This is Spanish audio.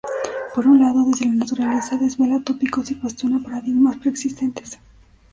Por un lado, desde la naturaleza, desvela tópicos y cuestiona paradigmas preexistentes.